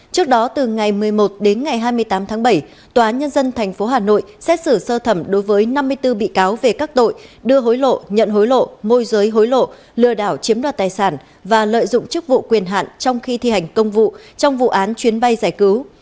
trước đó từ ngày một mươi một đến ngày hai mươi tám tháng bảy tòa nhân dân tp hà nội xét xử sơ thẩm đối với năm mươi bốn bị cáo về các tội đưa hối lộ nhận hối lộ môi giới hối lộ lừa đảo chiếm đoạt tài sản và lợi dụng chức vụ quyền hạn trong khi thi hành công vụ trong vụ án chuyến bay giải cứu